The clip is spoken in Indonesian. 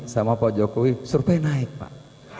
sama pak jokowi suruh baik naik pak